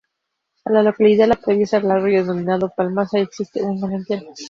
A la localidad la atraviesa el arroyo denominado Malpaso y existe un manantial.